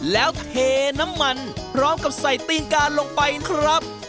แล้วเทน้ำมันพร้อมกับใส่ตีนกาลงไปนะครับ